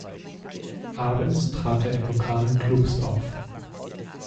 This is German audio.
Abends trat er in lokalen Clubs auf.